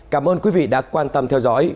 cảm ơn quý vị đã quan tâm theo dõi